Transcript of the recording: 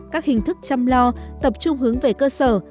các hình thức chăm lo tập trung hướng về cơ sở